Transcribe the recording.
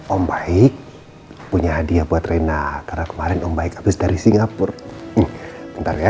om baik punya hadiah buat reina karena kemarin om baik habis dari singapura bentar ya